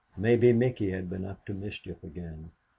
Maybe Micky had been up to mischief again.